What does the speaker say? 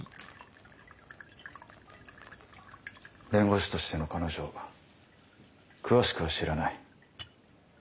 弁護士としての彼女を詳しくは知らない。